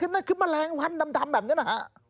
นั่นคือแมลงวันดำแบบนี้นะฮะ